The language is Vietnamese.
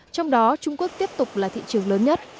trong đó trung quốc tiếp tục là thị trường lớn nhất